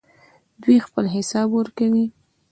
دوی خپل حساب ورکوي.